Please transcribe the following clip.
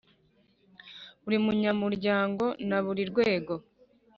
Buri munyamuryango na buri rwego